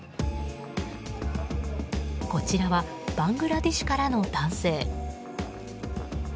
こちらはバングラデシュからの男性。